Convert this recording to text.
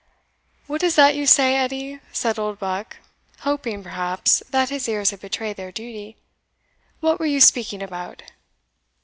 "What is that you say, Edie?" said Oldbuck, hoping, perhaps, that his ears had betrayed their duty "what were you speaking about!"